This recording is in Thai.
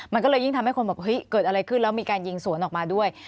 มันก็เลยยิ่งทำให้คนแบบเฮ้ยเกิดอะไรขึ้นแล้วมีการยิงสวนออกมาด้วย